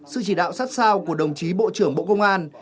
sự chỉ đạo sát sao của đồng chí bộ trưởng bộ công an